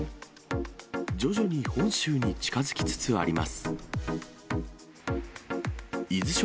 徐々に本州に近づきつつあります。